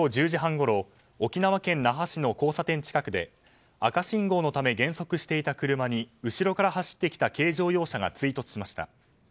昨日午後１０時半ごろ沖縄県那覇市の交差点近くで赤信号のため減速していた車に後ろから走ってきた軽乗用車が追突しました。